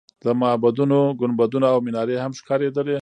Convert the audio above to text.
د معبدونو ګنبدونه او منارې هم ښکارېدلې.